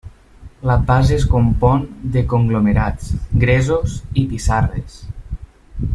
La base es compon de conglomerats, gresos i pissarres.